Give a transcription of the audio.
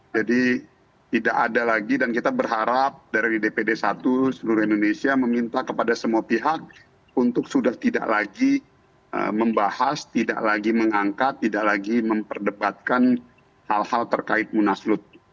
jadi tidak ada lagi dan kita berharap dari dpd satu seluruh indonesia meminta kepada semua pihak untuk sudah tidak lagi membahas tidak lagi mengangkat tidak lagi memperdebatkan hal hal terkait munasabah